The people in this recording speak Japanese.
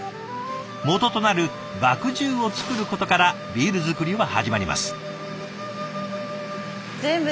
もととなる麦汁を造ることからビール造りは始まります。